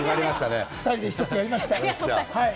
２人で一つやりました。